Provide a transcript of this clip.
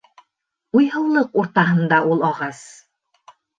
Уйһыулыҡ уртаһында ул ағас.